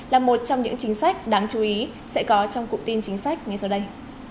là một trong những chính sách đáng chú ý sẽ có trong cụm tin chính sách ngay sau đây